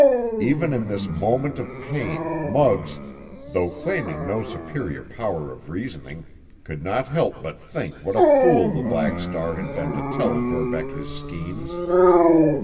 Even in this moment of pain Muggs, though claiming no superior power of reasoning, could not help but think what a fool the Black Star had been to tell Verbeck his schemes.